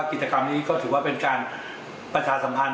กิจกรรมนี้ก็ถือว่าเป็นการประชาสัมพันธ